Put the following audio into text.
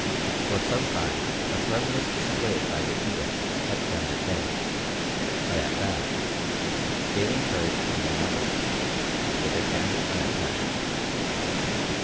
For some time the firmness displayed by the English kept them at bay; but at last, gaining courage from their numbers, they began an attack.